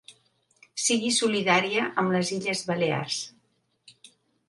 Sigui solidària amb les Illes Balears